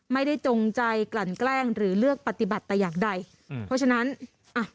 จงใจกลั่นแกล้งหรือเลือกปฏิบัติแต่อย่างใดอืมเพราะฉะนั้นอ่ะ